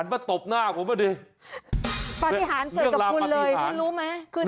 ปฏิหารเกิดกับคุณเลยคุณรู้ไหม